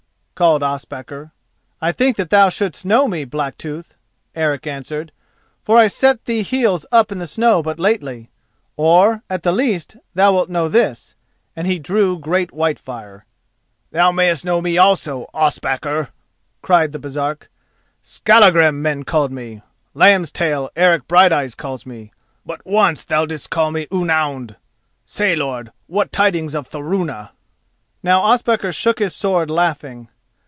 called Ospakar. "I think that thou shouldst know me, Blacktooth," Eric answered, "for I set thee heels up in the snow but lately—or, at the least, thou wilt know this," and he drew great Whitefire. "Thou mayest know me also, Ospakar," cried the Baresark. "Skallagrim, men called me, Lambstail, Eric Brighteyes calls me, but once thou didst call me Ounound. Say, lord, what tidings of Thorunna?" Now Ospakar shook his sword, laughing.